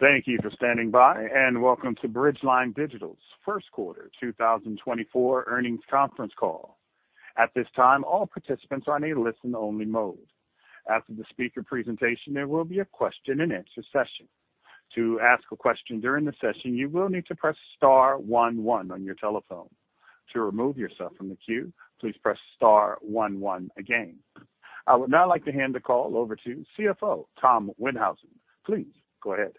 Thank you for standing by, and welcome to Bridgeline Digital's first quarter 2024 earnings conference call. At this time, all participants are in a listen-only mode. After the speaker presentation, there will be a question-and-answer session. To ask a question during the session, you will need to press star one one on your telephone. To remove yourself from the queue, please press star one one again. I would now like to hand the call over to CFO, Tom Windhausen. Please go ahead.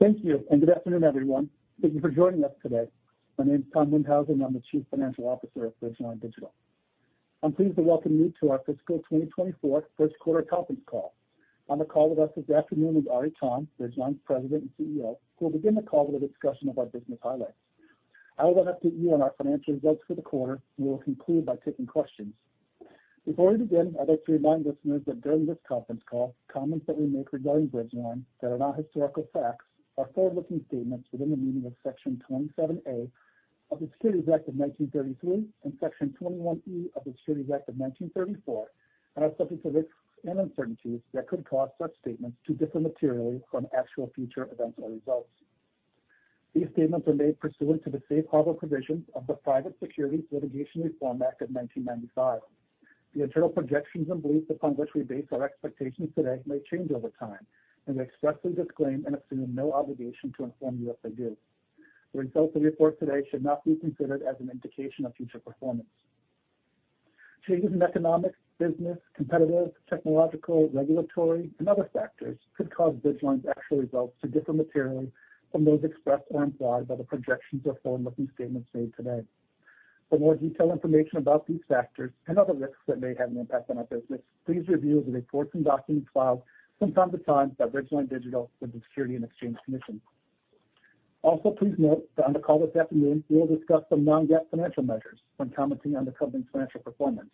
Thank you, and good afternoon, everyone. Thank you for joining us today. My name is Tom Windhausen, I'm the Chief Financial Officer of Bridgeline Digital. I'm pleased to welcome you to our fiscal 2024 first quarter conference call. On the call with us this afternoon is Ari Kahn, Bridgeline's President and CEO, who will begin the call with a discussion of our business highlights. I will then update you on our financial results for the quarter, and we will conclude by taking questions. Before we begin, I'd like to remind listeners that during this conference call, comments that we make regarding Bridgeline that are not historical facts are forward-looking statements within the meaning of Section 27A of the Securities Act of 1933 and Section 21E of the Securities Act of 1934, and are subject to risks and uncertainties that could cause such statements to differ materially from actual future events or results. These statements are made pursuant to the safe harbor provisions of the Private Securities Litigation Reform Act of 1995. The internal projections and beliefs upon which we base our expectations today may change over time, and we expressly disclaim and assume no obligation to inform you if they do. The results we report today should not be considered as an indication of future performance. Changes in economic, business, competitive, technological, regulatory, and other factors could cause Bridgeline's actual results to differ materially from those expressed or implied by the projections or forward-looking statements made today. For more detailed information about these factors and other risks that may have an impact on our business, please review the reports and documents filed from time to time by Bridgeline Digital with the Securities and Exchange Commission. Also, please note that on the call this afternoon, we will discuss some non-GAAP financial measures when commenting on the company's financial performance.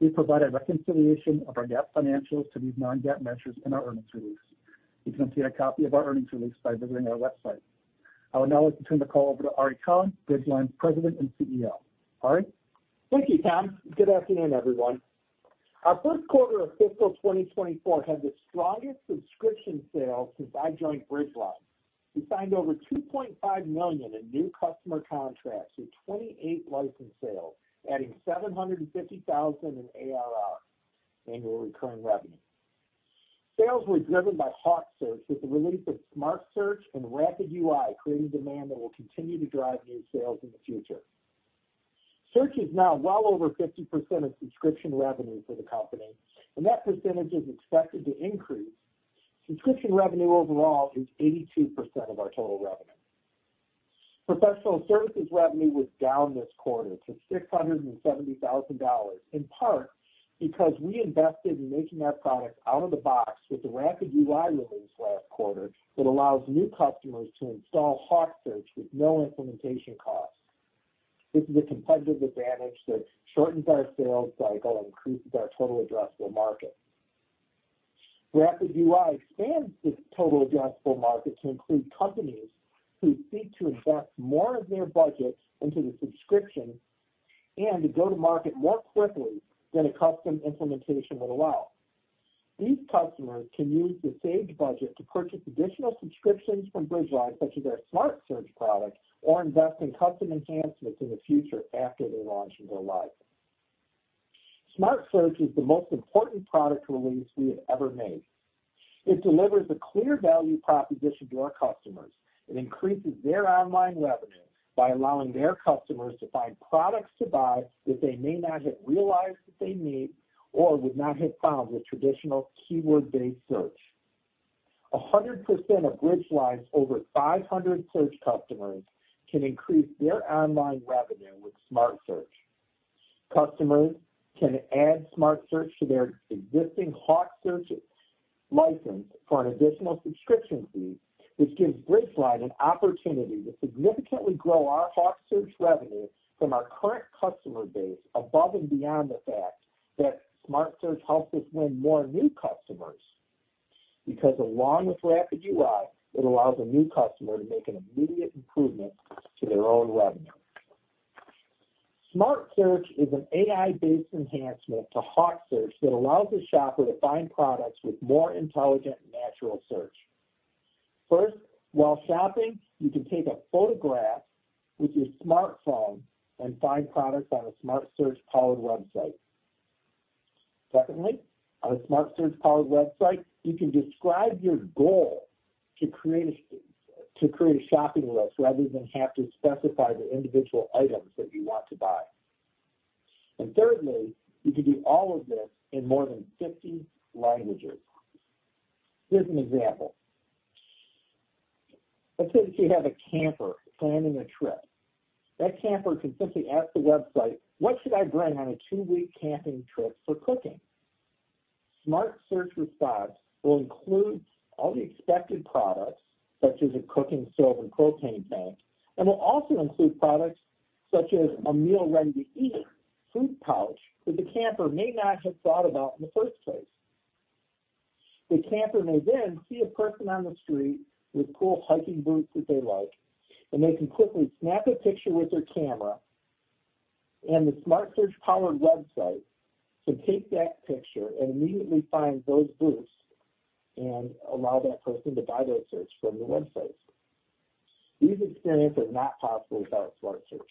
We provide a reconciliation of our GAAP financials to these non-GAAP measures in our earnings release. You can see a copy of our earnings release by visiting our website. I would now like to turn the call over to Ari Kahn, Bridgeline's President and CEO. Ari? Thank you, Tom. Good afternoon, everyone. Our first quarter of fiscal 2024 had the strongest subscription sale since I joined Bridgeline. We signed over $2.5 million in new customer contracts through 28 license sales, adding $750,000 in ARR, annual recurring revenue. Sales were driven by HawkSearch, with the release of Smart Search and Rapid UI, creating demand that will continue to drive new sales in the future. Search is now well over 50% of subscription revenue for the company, and that percentage is expected to increase. Subscription revenue overall is 82% of our total revenue. Professional services revenue was down this quarter to $670,000, in part because we invested in making our product out of the box with the Rapid UI release last quarter, that allows new customers to install HawkSearch with no implementation costs. This is a competitive advantage that shortens our sales cycle and increases our total addressable market. Rapid UI expands the total addressable market to include companies who seek to invest more of their budget into the subscription and to go to market more quickly than a custom implementation would allow. These customers can use the saved budget to purchase additional subscriptions from Bridgeline, such as our Smart Search product, or invest in custom enhancements in the future after they launch and go live. Smart Search is the most important product release we have ever made. It delivers a clear value proposition to our customers and increases their online revenue by allowing their customers to find products to buy that they may not have realized that they need, or would not have found with traditional keyword-based search. 100% of Bridgeline's over 500 search customers can increase their online revenue with Smart Search. Customers can add Smart Search to their existing HawkSearch license for an additional subscription fee, which gives Bridgeline an opportunity to significantly grow our HawkSearch revenue from our current customer base above and beyond the fact that Smart Search helps us win more new customers. Because along with Rapid UI, it allows a new customer to make an immediate improvement to their own revenue. Smart Search is an AI-based enhancement to HawkSearch that allows a shopper to find products with more intelligent natural search. First, while shopping, you can take a photograph with your smartphone and find products on a Smart Search-powered website. Secondly, on a Smart Search-powered website, you can describe your goal to create a to create a shopping list, rather than have to specify the individual items that you want to buy. And thirdly, you can do all of this in more than 50 languages. Here's an example. Let's say that you have a camper planning a trip. That camper can simply ask the website: "What should I bring on a two-week camping trip for cooking?" Smart Search response will include all the expected products, such as a cooking stove and propane tank, and will also include products such as a meal-ready-to-eat food pouch that the camper may not have thought about in the first place. The camper may then see a person on the street with cool hiking boots that they like, and they can quickly snap a picture with their camera-... The Smart Search-powered website can take that picture and immediately find those boots and allow that person to buy their search from the website. This experience is not possible without Smart Search.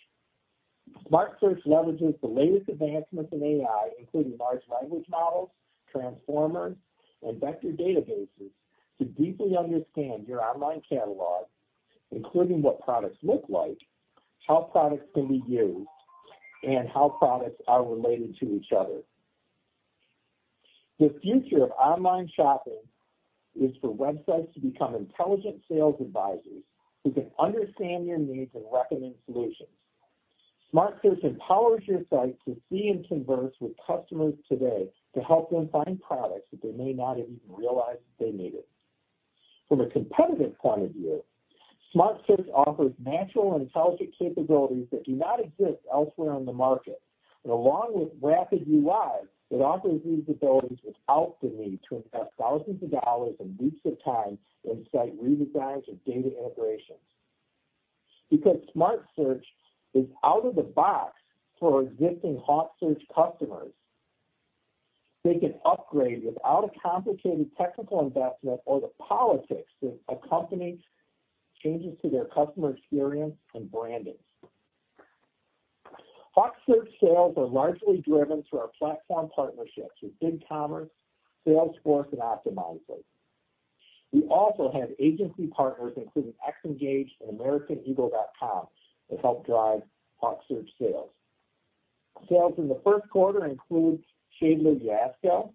Smart Search leverages the latest advancements in AI, including large language models, transformers, and vector databases, to deeply understand your online catalog, including what products look like, how products can be used, and how products are related to each other. The future of online shopping is for websites to become intelligent sales advisors who can understand your needs and recommend solutions. Smart Search empowers your site to see and converse with customers today to help them find products that they may not have even realized they needed. From a competitive point of view, Smart Search offers natural intelligent capabilities that do not exist elsewhere on the market, and along with Rapid UI, it offers these abilities without the need to invest thousands of dollars and weeks of time in site redesigns or data integrations. Because Smart Search is out of the box for existing HawkSearch customers, they can upgrade without a complicated technical investment or the politics that accompanies changes to their customer experience and branding. HawkSearch sales are largely driven through our platform partnerships with BigCommerce, Salesforce, and Optimizely. We also have agency partners, including Xngage and Americaneagle.com, that help drive HawkSearch sales. Sales in the first quarter include Schaedler Yesco,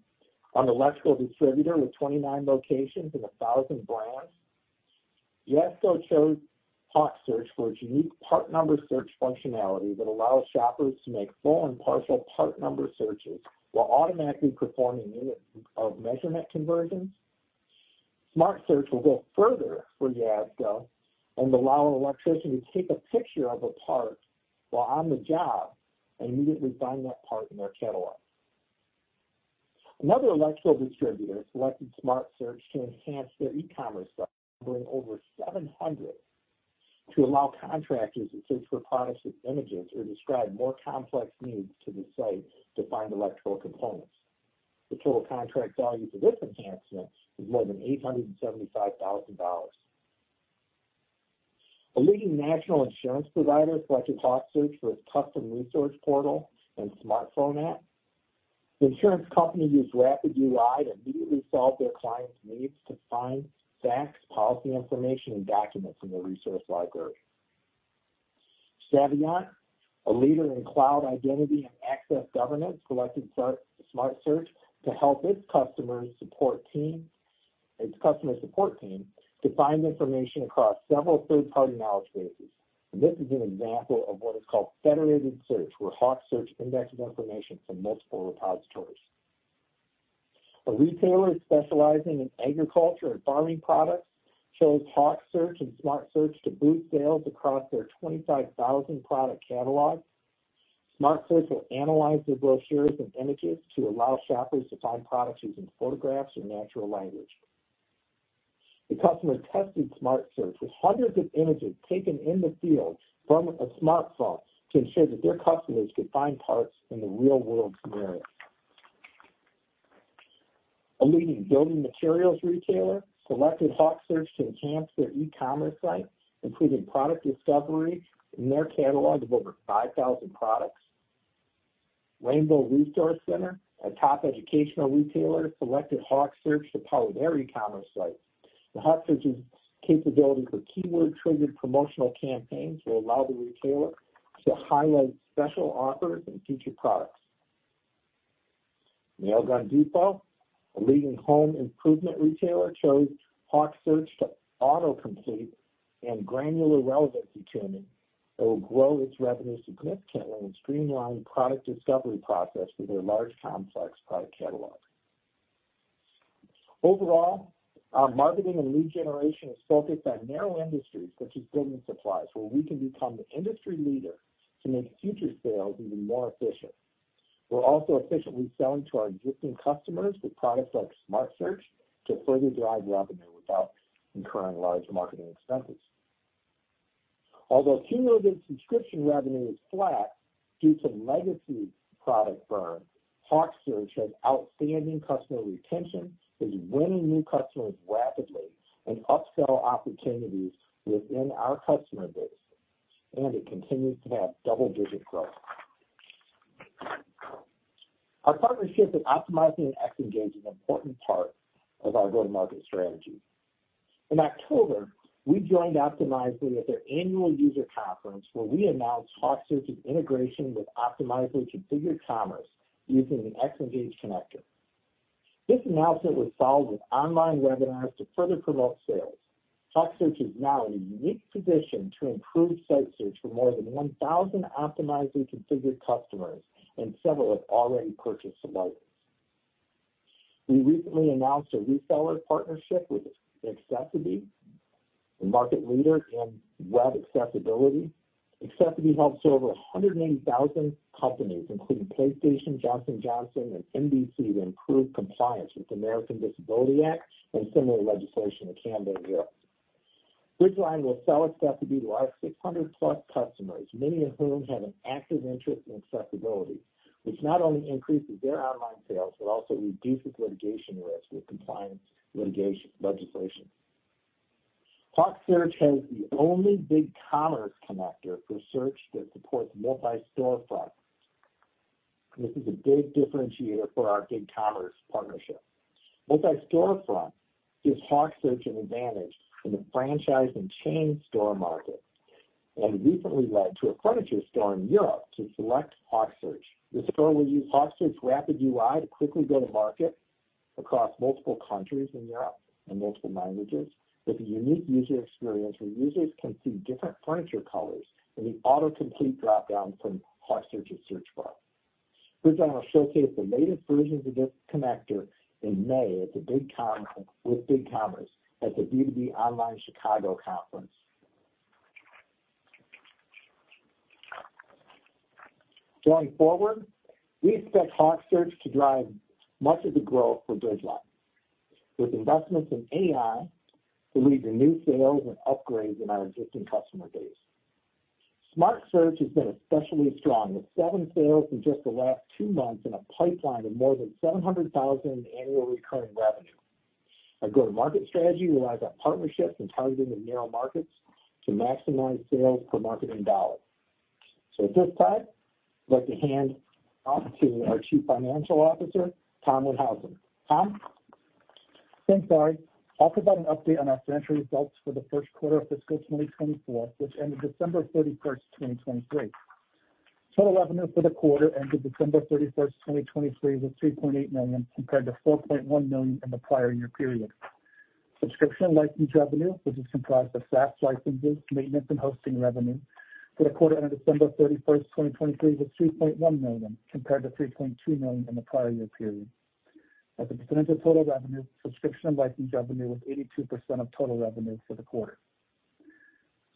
an electrical distributor with 29 locations and 1,000 brands. Yesco chose HawkSearch for its unique part number search functionality that allows shoppers to make full and partial part number searches while automatically performing unit of measurement conversions. Smart Search will go further for Yesco and allow an electrician to take a picture of a part while on the job and immediately find that part in their catalog. Another electrical distributor selected Smart Search to enhance their e-commerce site, numbering over 700, to allow contractors to search for products with images or describe more complex needs to the site to find electrical components. The total contract value for this enhancement is more than $875,000. A leading national insurance provider selected HawkSearch for its custom resource portal and smartphone app. The insurance company used Rapid UI to immediately solve their clients' needs to find facts, policy information, and documents in their resource library. Saviynt, a leader in cloud identity and access governance, selected Smart Search to help its customer support team to find information across several third-party knowledge bases, and this is an example of what is called federated search, where HawkSearch indexes information from multiple repositories. A retailer specializing in agriculture and farming products chose HawkSearch and Smart Search to boost sales across their 25,000-product catalog. Smart Search will analyze their brochures and images to allow shoppers to find products using photographs or natural language. The customer tested Smart Search with hundreds of images taken in the field from a smartphone to ensure that their customers could find parts in the real-world scenario. A leading building materials retailer selected HawkSearch to enhance their e-commerce site, including product discovery in their catalog of over 5,000 products. Rainbow Resource Center, a top educational retailer, selected HawkSearch to power their e-commerce site. The HawkSearch's capability for keyword-triggered promotional campaigns will allow the retailer to highlight special offers and featured products. Home Depot, a leading home improvement retailer, chose HawkSearch to auto-complete and granular relevancy tuning that will grow its revenue significantly and streamline the product discovery process for their large, complex product catalog. Overall, our marketing and lead generation is focused on narrow industries, such as building supplies, where we can become the industry leader to make future sales even more efficient. We're also efficiently selling to our existing customers with products like Smart Search to further drive revenue without incurring large marketing expenses. Although cumulative subscription revenue is flat due to legacy product burn, HawkSearch has outstanding customer retention, is winning new customers rapidly, and upsell opportunities within our customer base, and it continues to have double-digit growth. Our partnerships with Optimizely and Xngage is an important part of our go-to-market strategy. In October, we joined Optimizely at their annual user conference, where we announced HawkSearch's integration with Optimizely Configured Commerce using an Xngage connector. This announcement was followed with online webinars to further promote sales. HawkSearch is now in a unique position to improve site search for more than 1,000 Optimizely Configured customers, and several have already purchased the license. We recently announced a reseller partnership with accessiBe, the market leader in web accessibility. accessiBe helps over 180,000 companies, including PlayStation, Johnson & Johnson, and NBC, to improve compliance with the Americans with Disabilities Act and similar legislation in Canada and Europe. Bridgeline will sell accessiBe to our 600+ customers, many of whom have an active interest in accessibility, which not only increases their online sales, but also reduces litigation risk with compliance litigation legislation. HawkSearch has the only BigCommerce connector for search that supports Multi-Storefront. This is a big differentiator for our BigCommerce partnership. Multi-storefront gives HawkSearch an advantage in the franchise and chain store market, and recently led to a furniture store in Europe to select HawkSearch. This store will use HawkSearch's Rapid UI to quickly go to market across multiple countries in Europe and multiple languages, with a unique user experience, where users can see different furniture colors in the autocomplete dropdown from HawkSearch's search bar. Bridgeline will showcase the latest version of this connector in May at the BigCommerce, with BigCommerce at the B2B Online Chicago conference. Going forward, we expect HawkSearch to drive much of the growth for Bridgeline, with investments in AI to lead to new sales and upgrades in our existing customer base. Smart Search has been especially strong, with seven sales in just the last two months and a pipeline of more than $700,000 annual recurring revenue. Our go-to-market strategy relies on partnerships and targeting the narrow markets to maximize sales per marketing dollar. At this time, I'd like to hand off to our Chief Financial Officer, Tom Windhausen. Tom? Thanks, Ari. I'll provide an update on our financial results for the first quarter of fiscal 2024, which ended December 31st, 2023. Total revenue for the quarter ended December 31st, 2023, was $3.8 million, compared to $4.1 million in the prior year period. Subscription and license revenue, which is comprised of SaaS licenses, maintenance, and hosting revenue for the quarter on December 31st, 2023, was $3.1 million, compared to $3.2 million in the prior year period. As a percentage of total revenue, subscription and license revenue was 82% of total revenue for the quarter.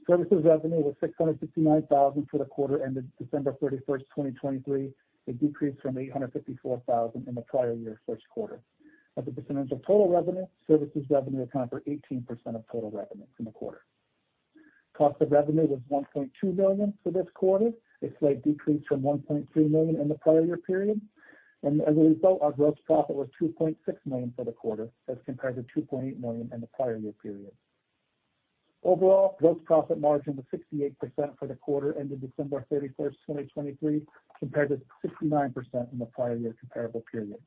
Services revenue was $659,000 for the quarter ended December 31st, 2023. It decreased from $854,000 in the prior year first quarter. As a percentage of total revenue, services revenue accounted for 18% of total revenue in the quarter. Cost of revenue was $1.2 million for this quarter, a slight decrease from $1.3 million in the prior year period. As a result, our gross profit was $2.6 million for the quarter, as compared to $2.8 million in the prior year period. Overall, gross profit margin was 68% for the quarter, ending December 31st, 2023, compared to 69% in the prior year comparable period.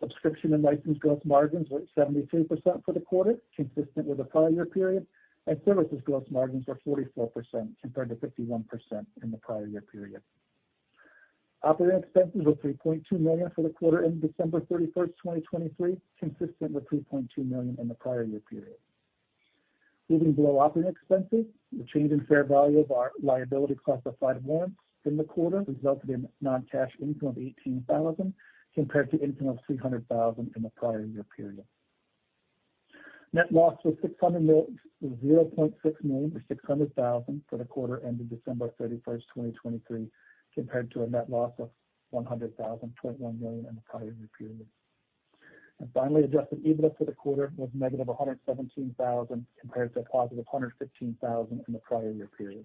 Subscription and license gross margins were at 72% for the quarter, consistent with the prior year period, and services gross margins were 44%, compared to 51% in the prior year period. Operating expenses were $3.2 million for the quarter ending December 31st, 2023, consistent with $3.2 million in the prior year period. Moving below operating expenses, the change in fair value of our liability classified warrants in the quarter resulted in non-cash income of $18,000, compared to income of $300,000 in the prior year period. Net loss was $0.6 million-$600,000 for the quarter ended December 31st, 2023, compared to a net loss of $0.1 million in the prior year period. Finally, Adjusted EBITDA for the quarter was -$117,000, compared to $115,000 in the prior year period.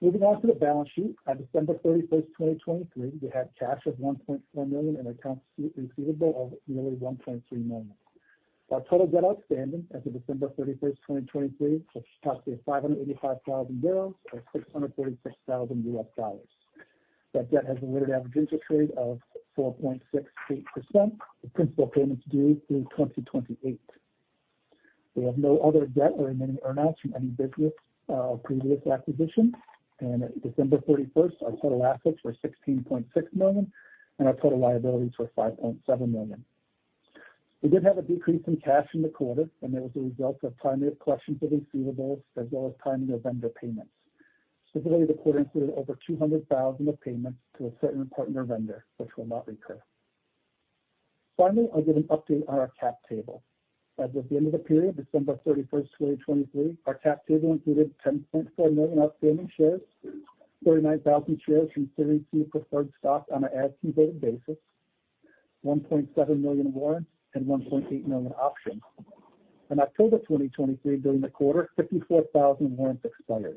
Moving on to the balance sheet. At December 31st, 2023, we had cash of $1.4 million and accounts receivable of nearly $1.3 million. Our total debt outstanding as of December 31st, 2023, was approximately 585,000 euros, or $636,000. That debt has a weighted average interest rate of 4.68%, with principal payments due through 2028. We have no other debt or remaining earnouts from any business, previous acquisition. At December 31st, our total assets were $16.6 million, and our total liabilities were $5.7 million. We did have a decrease in cash in the quarter, and there was a result of timing of collections of receivables as well as timing of vendor payments. Specifically, the quarter included over $200,000 of payments to a certain partner vendor, which will not recur. Finally, I'll give an update on our cap table. As of the end of the period, December 31st, 2023, our cap table included 10.4 million outstanding shares, 39,000 shares considered preferred stock on an as converted basis, 1.7 million warrants, and 1.8 million options. In October 2023, during the quarter, 54,000 warrants expired.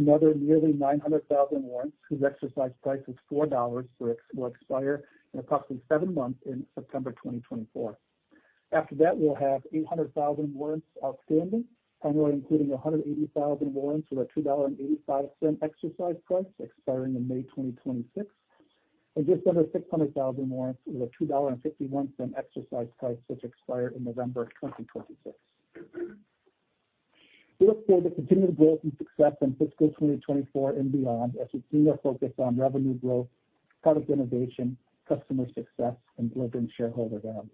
Another nearly 900,000 warrants, whose exercise price is $4 for ex- will expire in approximately 7 months, in September 2024. After that, we'll have 800,000 warrants outstanding, primarily including 180,000 warrants with a $2.85 exercise price, expiring in May 2026, and just under 600,000 warrants with a $2.51 exercise price, which expire in November 2026. We look forward to continued growth and success in fiscal 2024 and beyond, as we singularly focus on revenue growth, product innovation, customer success, and delivering shareholder value.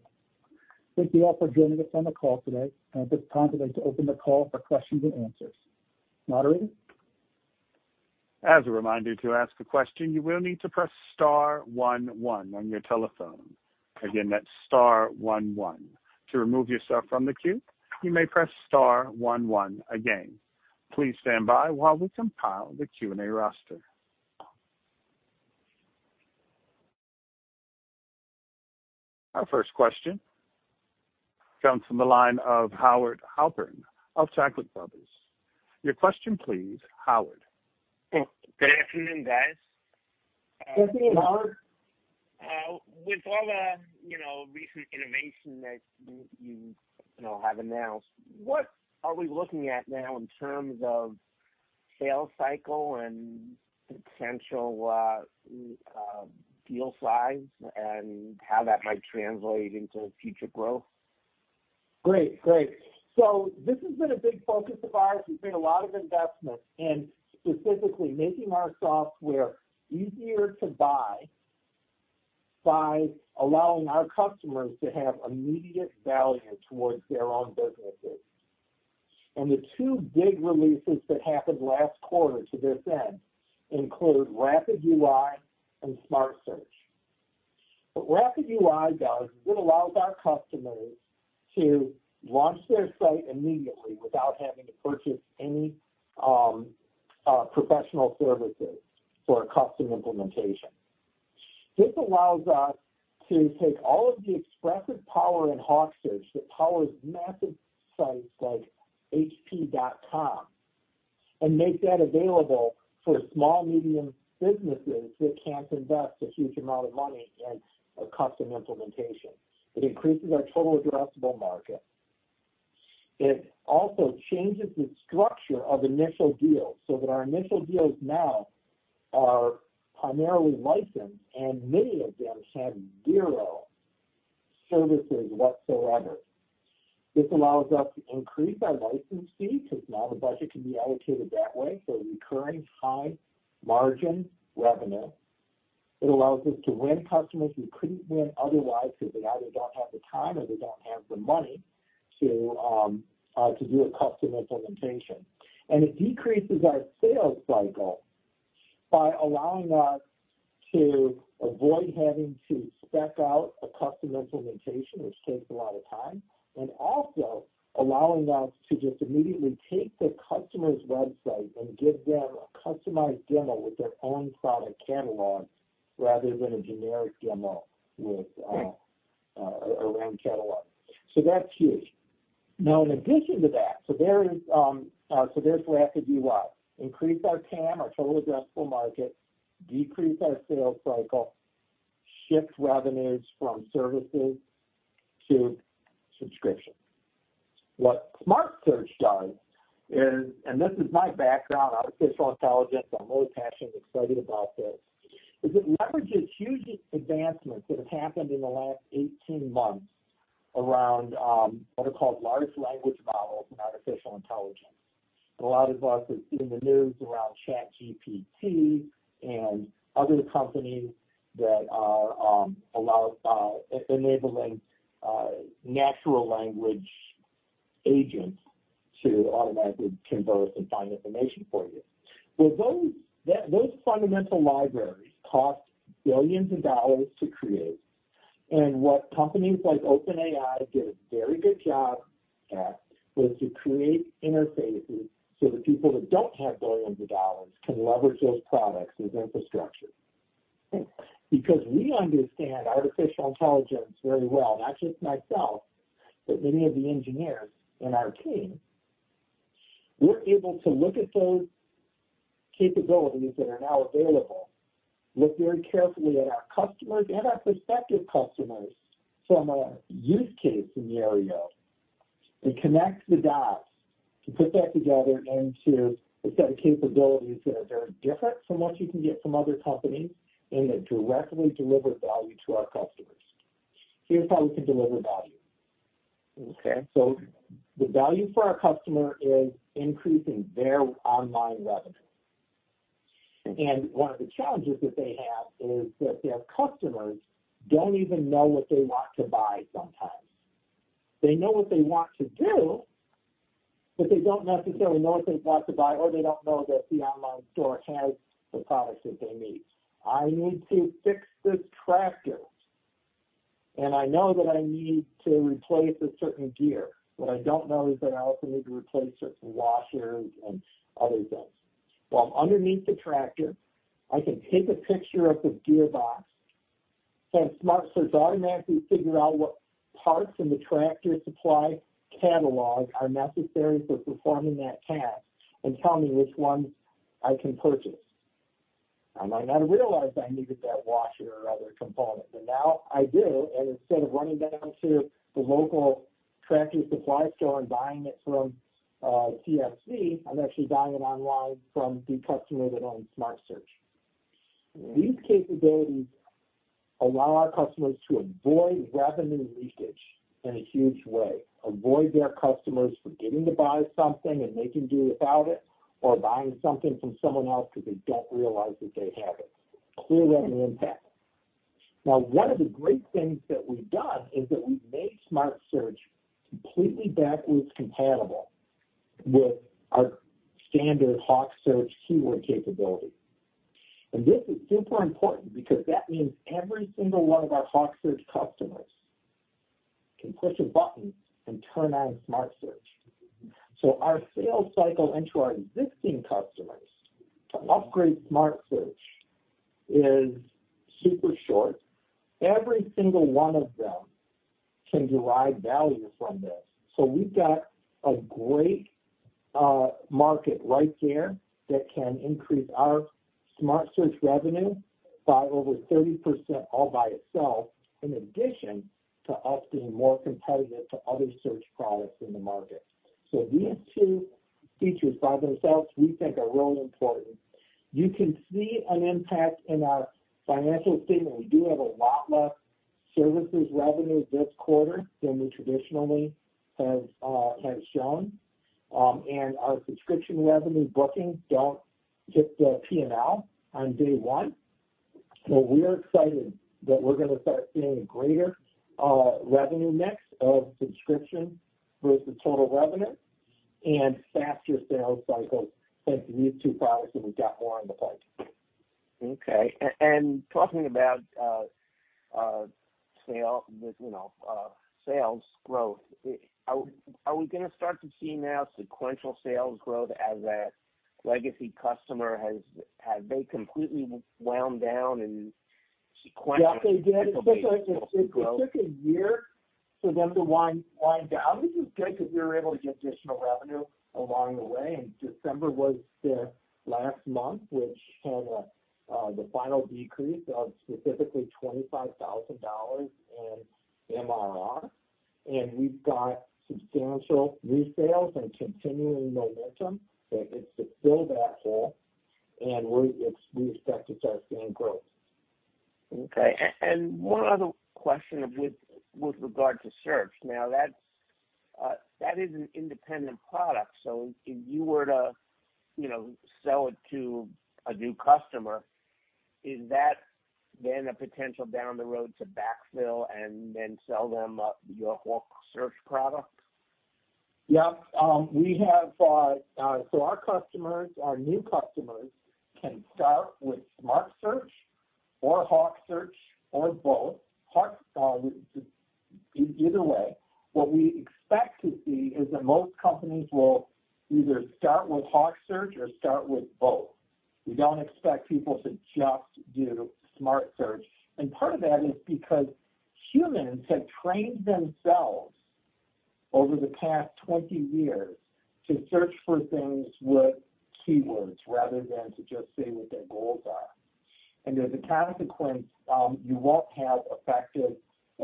Thank you all for joining us on the call today, and at this time, I'd like to open the call for questions and answers. Moderator? As a reminder, to ask a question, you will need to press star one one on your telephone. Again, that's star one one. To remove yourself from the queue, you may press star one one again. Please stand by while we compile the Q&A roster. ...Our first question comes from the line of Howard Halpern of Taglich Brothers. Your question please, Howard. Good afternoon, guys. Good afternoon, Howard. With all the, you know, recent innovation that you, you know, have announced, what are we looking at now in terms of sales cycle and potential deal size, and how that might translate into future growth? Great, great. So this has been a big focus of ours. We've made a lot of investment in specifically making our software easier to buy by allowing our customers to have immediate value towards their own businesses. The two big releases that happened last quarter to this end include Rapid UI and Smart Search. What Rapid UI does is it allows our customers to launch their site immediately without having to purchase any professional services for a custom implementation. This allows us to take all of the expressive power and HawkSearch that powers massive sites like HP.com, and make that available for small, medium businesses that can't invest a huge amount of money in a custom implementation. It increases our total addressable market. It also changes the structure of initial deals, so that our initial deals now are primarily licensed, and many of them have zero services whatsoever. This allows us to increase our license fee, because now the budget can be allocated that way, so recurring high margin revenue. It allows us to win customers we couldn't win otherwise, because they either don't have the time or they don't have the money to to do a custom implementation. It decreases our sales cycle by allowing us to avoid having to spec out a custom implementation, which takes a lot of time, and also allowing us to just immediately take the customer's website and give them a customized demo with their own product catalog, rather than a generic demo with around catalog. So that's huge. Now, in addition to that, so there's Rapid UI. Increase our TAM, our total addressable market, decrease our sales cycle, shift revenues from services to subscription. What Smart Search does is, and this is my background, artificial intelligence, I'm really passionate and excited about this, is it leverages huge advancements that have happened in the last 18 months around what are called large language models and artificial intelligence. A lot of us have seen the news around ChatGPT and other companies that are allowing enabling natural language agents to automatically converse and find information for you. Well, those fundamental libraries cost billions of dollars to create, and what companies like OpenAI did a very good job at, was to create interfaces so that people that don't have billions of dollars can leverage those products and infrastructure. Because we understand artificial intelligence very well, not just myself, but many of the engineers in our team, we're able to look at those capabilities that are now available, look very carefully at our customers and our prospective customers from a use case scenario, and connect the dots to put that together into a set of capabilities that are very different from what you can get from other companies, and that directly deliver value to our customers. Here's how we can deliver value. Okay. The value for our customer is increasing their online revenue. One of the challenges that they have is that their customers don't even know what they want to buy sometimes. They know what they want to do, but they don't necessarily know what they want to buy, or they don't know that the online store has the products that they need. I need to fix this tractor, and I know that I need to replace a certain gear. What I don't know is that I also need to replace certain washers and other things. While I'm underneath the tractor, I can take a picture of the gearbox, and Smart Search automatically figure out what parts in the Tractor Supply catalog are necessary for performing that task, and tell me which one I can purchase. I might not have realized I needed that washer or other component, but now I do, and instead of running down to the local Tractor Supply store and buying it from TSC, I'm actually buying it online from the customer that own Smart Search. These capabilities allow our customers to avoid revenue leakage in a huge way, avoid their customers forgetting to buy something, and they can do without it, or buying something from someone else because they don't realize that they have it. Clearly an impact. Now, one of the great things that we've done is that we've made Smart Search completely backwards compatible with our standard HawkSearch keyword capability. This is super important because that means every single one of our HawkSearch customers can push a button and turn on Smart Search. So our sales cycle into our existing customers to upgrade Smart Search is super short. Every single one of them can derive value from this. So we've got a great market right there that can increase our Smart Search revenue by over 30% all by itself, in addition to us being more competitive to other search products in the market. So these two features by themselves, we think are really important. You can see an impact in our financial statement. We do have a lot less services revenue this quarter than we traditionally have shown. And our subscription revenue bookings don't hit the P&L on day one. So we're excited that we're gonna start seeing a greater revenue mix of subscription with the total revenue and faster sales cycles thanks to these two products, and we've got more on the pipe. Okay. And talking about sales, with, you know, sales growth, are we gonna start to see now sequential sales growth as that legacy customer has - have they completely wound down and sequentially? Yes, they did. Sequentially growth. It took a year for them to wind down, which is good because we were able to get additional revenue along the way, and December was their last month, which had the final decrease of specifically $25,000 in MRR. We've got substantial resales and continuing momentum that's to fill that hole, and we expect to start seeing growth. Okay. And one other question with regard to search. Now, that's, that is an independent product, so if you were to, you know, sell it to a new customer, is that then a potential down the road to backfill and then sell them, your whole search product? Yep. So our customers, our new customers can start with Smart Search or HawkSearch or both. Either way, what we expect to see is that most companies will either start with HawkSearch or start with both. We don't expect people to just do Smart Search, and part of that is because humans have trained themselves over the past 20 years to search for things with keywords, rather than to just say what their goals are. And as a consequence, you won't have effective,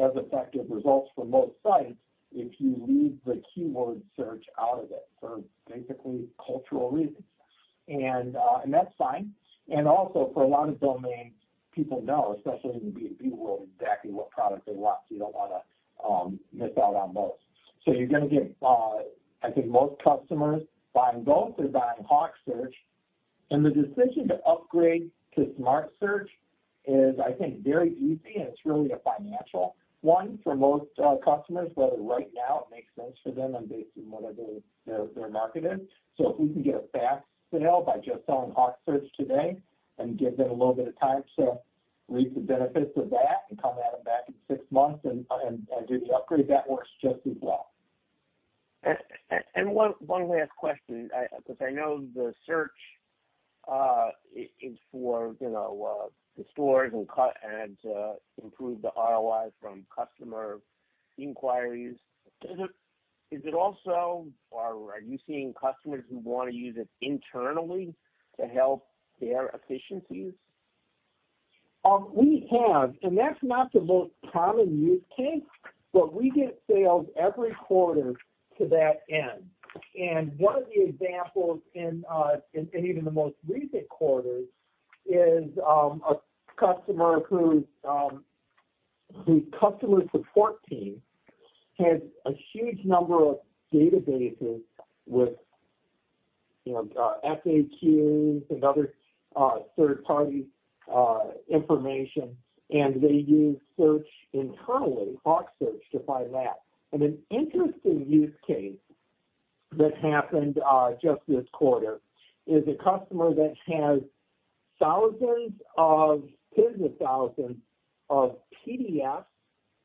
as effective results for most sites if you leave the keyword search out of it for basically cultural reasons. And that's fine. And also, for a lot of domains, people know, especially in the B2B world, exactly what product they want, so you don't wanna miss out on those. So you're gonna get, I think most customers buying both or buying HawkSearch. And the decision to upgrade to Smart Search is, I think, very easy, and it's really a financial one for most customers, whether right now it makes sense for them and based on what their market is. So if we can get a fast sale by just selling HawkSearch today and give them a little bit of time to reap the benefits of that and come at them back in six months and do the upgrade, that works just as well. And one last question, because I know the search is for, you know, the stores and customers and to improve the ROI from customer inquiries. Is it also, or are you seeing customers who want to use it internally to help their efficiencies? We have, and that's not the most common use case, but we get sales every quarter to that end. And one of the examples in even the most recent quarters is a customer whose customer support team has a huge number of databases with, you know, FAQs and other third-party information, and they use search internally, HawkSearch, to find that. And an interesting use case that happened just this quarter is a customer that has thousands of, tens of thousands of PDFs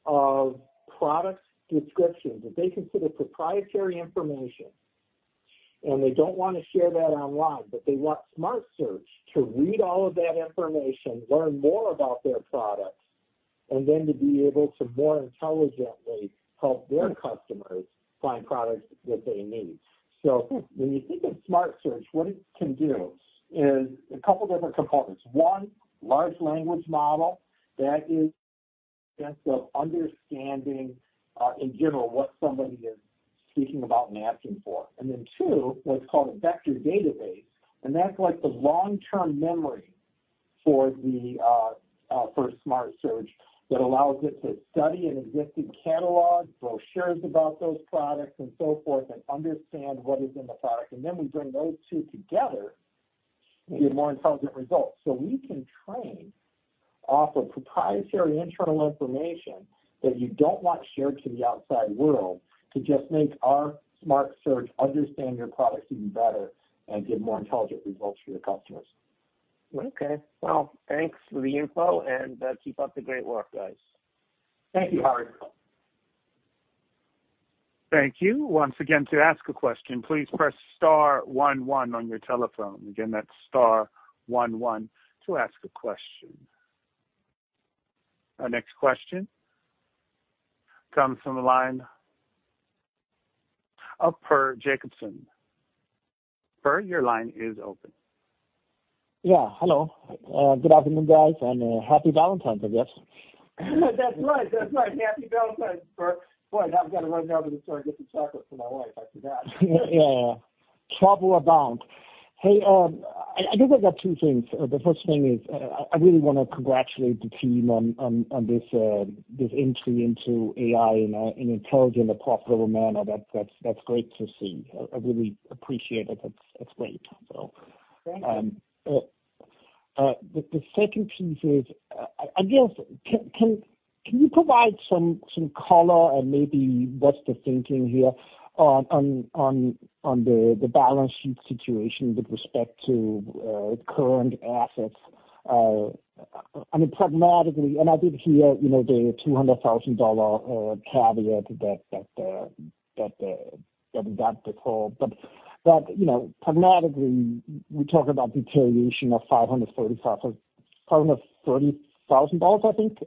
of product descriptions that they consider proprietary information, and they don't wanna share that online. But they want Smart Search to read all of that information, learn more about their products, and then to be able to more intelligently help their customers find products that they need. So when you think of Smart Search, what it can do is a couple different components. One, large language model, that is sense of understanding, in general, what somebody is speaking about and asking for. And then two, what's called a vector database, and that's like the long-term memory for the, for Smart Search that allows it to study an existing catalog, brochures about those products and so forth, and understand what is in the product. And then we bring those two together to get more intelligent results. So we can train off of proprietary internal information that you don't want shared to the outside world to just make our Smart Search understand your products even better and give more intelligent results for your customers. ... Okay, well, thanks for the info, and, keep up the great work, guys. Thank you, Howard. Thank you. Once again, to ask a question, please press star one one on your telephone. Again, that's star one one to ask a question. Our next question comes from the line of Per Jacobsen. Per, your line is open. Yeah, hello. Good afternoon, guys, and Happy Valentine's, I guess. That's right, that's right. Happy Valentine's, Per. Boy, now I've got to run down to the store and get some chocolates for my wife. I forgot. Yeah. Trouble abound. Hey, I guess I got two things. The first thing is, I really wanna congratulate the team on this entry into AI in an intelligent and profitable manner. That's great to see. I really appreciate it. That's great. So- Thank you. The second piece is, I guess, can you provide some color, and maybe what's the thinking here on the balance sheet situation with respect to current assets? I mean, pragmatically, and I did hear, you know, the $200,000 dollar caveat that we got the call. But that, you know, pragmatically, we talk about deterioration of $530,000, I think,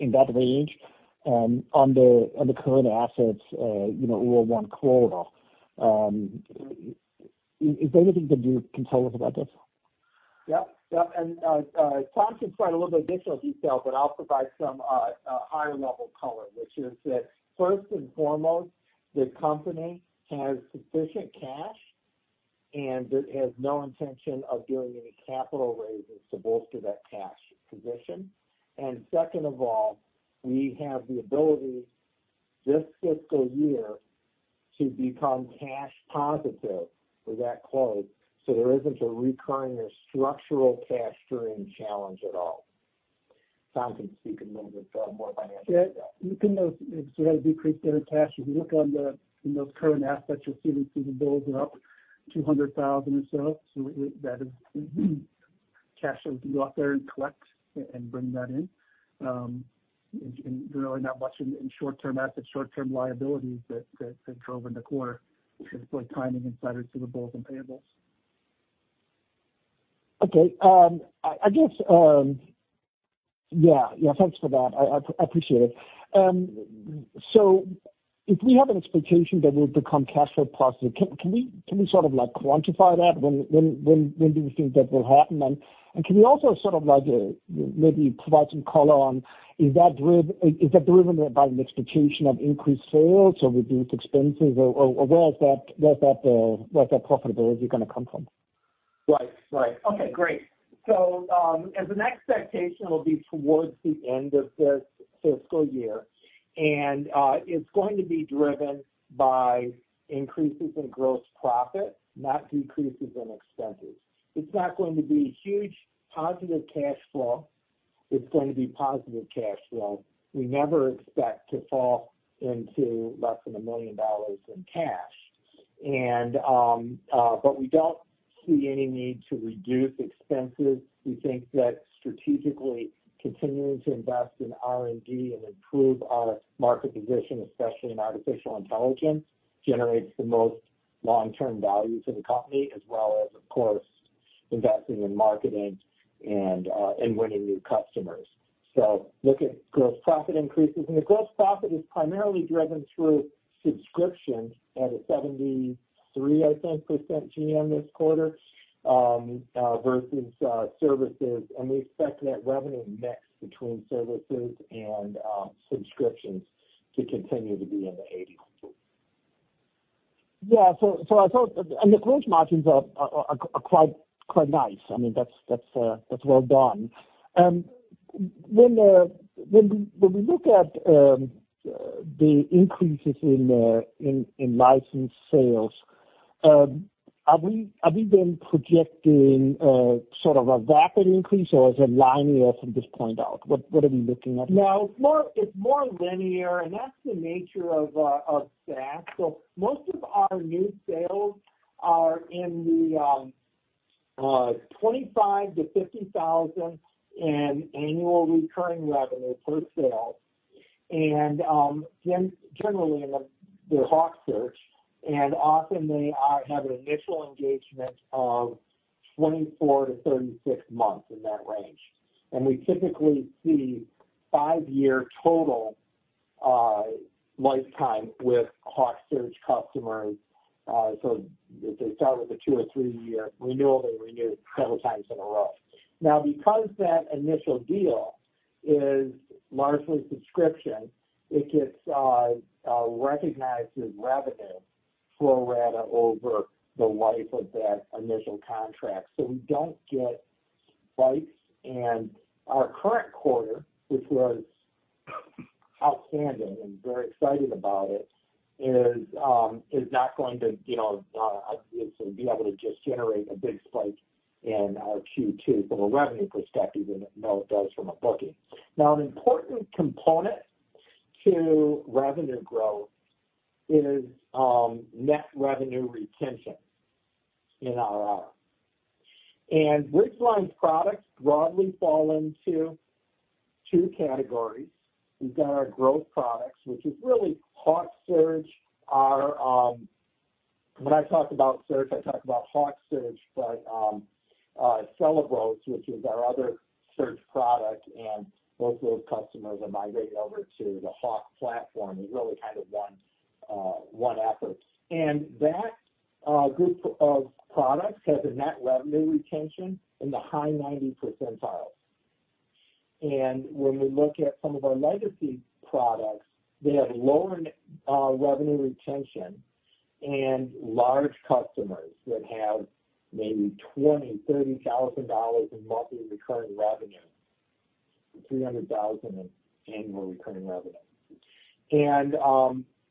in that range, on the current assets, you know, one quarter. Is there anything that you can tell us about this? Yeah. Yeah, and, Tom can provide a little bit additional detail, but I'll provide some, higher level color, which is that, first and foremost, the company has sufficient cash, and it has no intention of doing any capital raises to bolster that cash position. And second of all, we have the ability this fiscal year to become cash positive for that quarter, so there isn't a recurring or structural cash stream challenge at all. Tom can speak a little bit more financially. Yeah, you can see—so as we increase their cash, if you look in those current assets, you'll see the receivables are up $200,000 or so. So that is cash that we can go out there and collect and bring that in. And there's really not much in short-term assets, short-term liabilities that drove in the quarter. It's just like timing issues to the bills and payables. Okay, I guess... Yeah. Yeah, thanks for that. I appreciate it. So if we have an expectation that we'll become cash flow positive, can we sort of, like, quantify that? When do we think that will happen? And can we also sort of like, maybe provide some color on, is that driven by an expectation of increased sales or reduced expenses, or where is that profitability gonna come from? Right. Right. Okay, great. So, as an expectation, it will be towards the end of this fiscal year, and, it's going to be driven by increases in gross profit, not decreases in expenses. It's not going to be huge positive cash flow, it's going to be positive cash flow. We never expect to fall into less than $1 million in cash. And, but we don't see any need to reduce expenses. We think that strategically continuing to invest in R&D and improve our market position, especially in artificial intelligence, generates the most long-term value to the company, as well as, of course, investing in marketing and, and winning new customers. So look at gross profit increases. And the gross profit is primarily driven through subscriptions at a 73%, I think, GM this quarter, versus services. We expect that revenue mix between services and subscriptions to continue to be in the eighties. Yeah. So I thought. And the growth margins are quite nice. I mean, that's well done. When we look at the increases in licensed sales, have we been projecting sort of a rapid increase or is it linear from this point out? What are we looking at? No, it's more, it's more linear, and that's the nature of SaaS. So most of our new sales are in the $25,000-$50,000 in annual recurring revenue per sale, and generally in the HawkSearch, and often they have an initial engagement of 24-36 months, in that range. And we typically see 5-year total lifetime with HawkSearch customers. So they start with a 2 or 3-year renewal, they renew several times in a row. Now, because that initial deal is largely subscription, it gets recognized as revenue pro rata over the life of that initial contract. So we don't get spikes, and our current quarter, which was outstanding and very excited about it, is not going to, you know, be able to just generate a big spike in our Q2 from a revenue perspective, and it, though it does from a booking. Now, an important component to revenue growth is net revenue retention in RR. And Bridgeline's products broadly fall into two categories. We've got our growth products, which is really HawkSearch, our, when I talk about search, I talk about HawkSearch, but, Celebros, which is our other search product, and both those customers are migrating over to the Hawk platform is really kind of one effort. And that group of products has a net revenue retention in the high 90 percentile. When we look at some of our legacy products, they have lower revenue retention and large customers that have maybe $20,000-$30,000 in monthly recurring revenue, $300,000 in annual recurring revenue.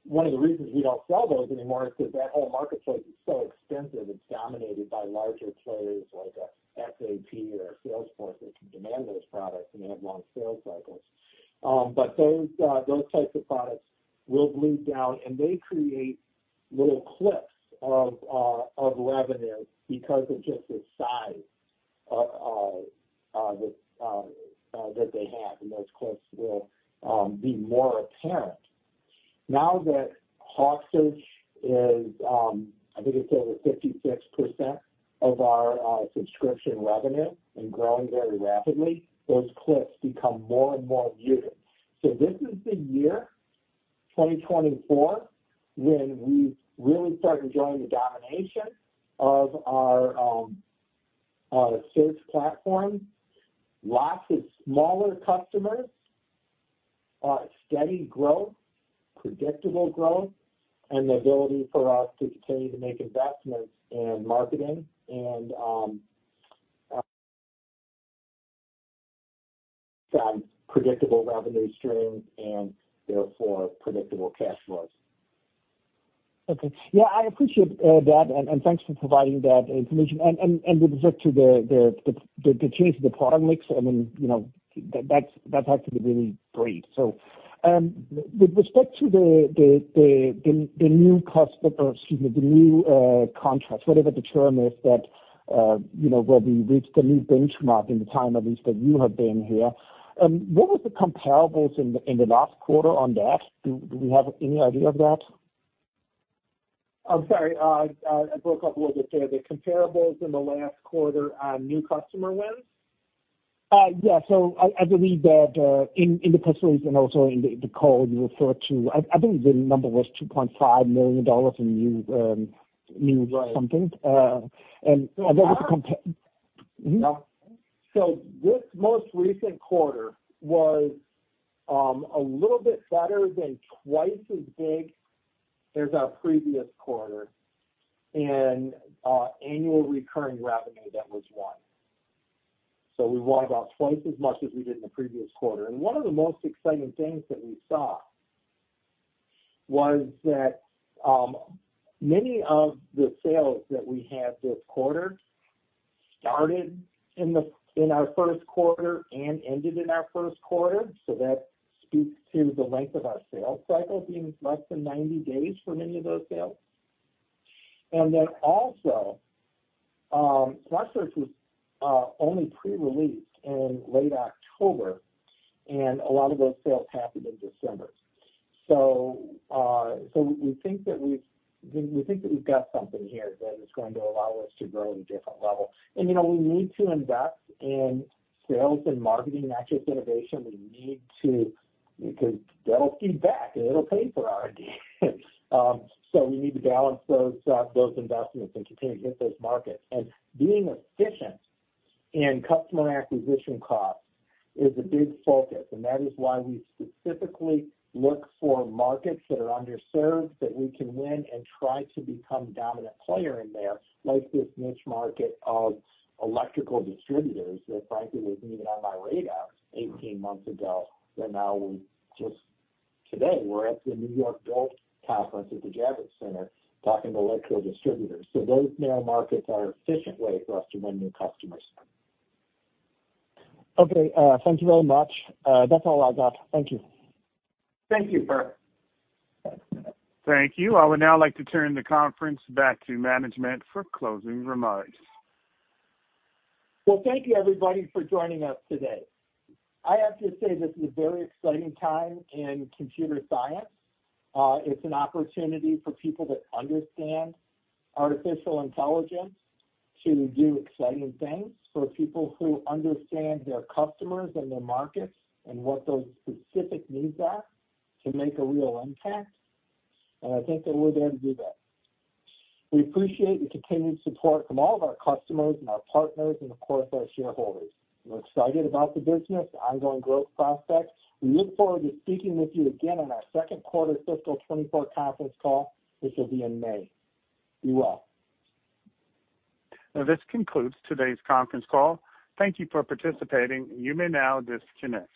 One of the reasons we don't sell those anymore is because that whole marketplace is so extensive. It's dominated by larger players like SAP or Salesforce that can demand those products, and they have long sales cycles. But those types of products will bleed down, and they create little cliffs of revenue because of just the size of that they have, and those cliffs will be more apparent. Now that HawkSearch is, I think it's over 56% of our subscription revenue and growing very rapidly, those cliffs become more and more muted. This is the year 2024, when we really start enjoying the domination of our search platform, lots of smaller customers, steady growth, predictable growth, and the ability for us to continue to make investments in marketing and predictable revenue stream and therefore predictable cash flows. Okay. Yeah, I appreciate that, and with respect to the change in the product mix, I mean, you know, that's actually really great. So, with respect to the new customer or excuse me, the new contracts, whatever the term is, that you know, where we reached a new benchmark in the time at least that you have been here. What was the comparables in the last quarter on that? Do we have any idea of that? I'm sorry, I broke up a little bit there. The comparables in the last quarter on new customer wins? Yeah. So I believe that, in the press release and also in the call, you referred to, I believe, the number was $2.5 million in new, new- Right. something, and So this most recent quarter was a little bit better than twice as big as our previous quarter in annual recurring revenue, that was one. So we won about twice as much as we did in the previous quarter, and one of the most exciting things that we saw was that many of the sales that we had this quarter started in our first quarter and ended in our first quarter. So that speaks to the length of our sales cycle being less than 90 days for many of those sales. And then also, HawkSearch was only pre-released in late October, and a lot of those sales happened in December. So we think that we've got something here that is going to allow us to grow at a different level. You know, we need to invest in sales and marketing, not just innovation. We need to, because that'll feed back, and it'll pay for our ideas. So we need to balance those, those investments and continue to hit those markets. Being efficient in customer acquisition costs is a big focus, and that is why we specifically look for markets that are underserved, that we can win and try to become dominant player in there, like this niche market of electrical distributors that frankly wasn't even on my radar 18 months ago. Now we just, today, we're at the New York Build conference at the Javits Center, talking to electrical distributors. Those narrow markets are an efficient way for us to win new customers. Okay, thank you very much. That's all I got. Thank you. Thank you, Per. Thank you. I would now like to turn the conference back to management for closing remarks. Well, thank you everybody for joining us today. I have to say this is a very exciting time in computer science. It's an opportunity for people to understand artificial intelligence, to do exciting things for people who understand their customers and their markets, and what those specific needs are to make a real impact. And I think that we're there to do that. We appreciate the continued support from all of our customers, and our partners, and of course, our shareholders. We're excited about the business, the ongoing growth prospects. We look forward to speaking with you again on our second quarter fiscal 2024 conference call, which will be in May. Be well. This concludes today's conference call. Thank you for participating. You may now disconnect.